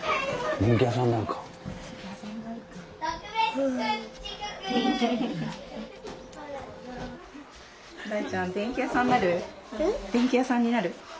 電気屋さんになる？